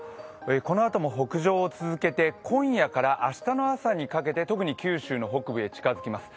このあとも北上を続けて今夜から明日の朝にかけて特に九州の北部に近づきます。